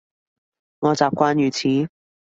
我習慣如此